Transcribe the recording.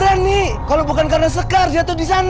aku akan menganggap